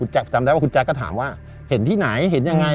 จำได้ว่าคุณแจ๊กก็ถามว่าเห็นที่ไหนเห็นยังไง